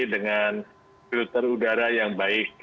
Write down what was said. dengan filter udara yang baik